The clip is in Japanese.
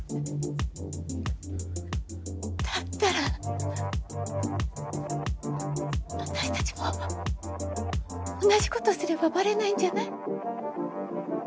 だったら私たちも同じことすればばれないんじゃない？